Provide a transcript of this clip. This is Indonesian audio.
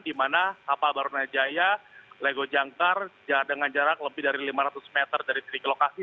di mana kapal barunajaya lego jangkar dengan jarak lebih dari lima ratus meter dari titik lokasi